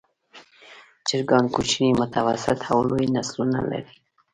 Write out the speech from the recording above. چرګان کوچني، متوسط او لوی نسلونه لري.